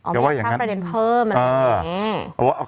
เอาไว้อังกฤษทั้งประเด็นเพิ่มหรืออะไรแบบนี้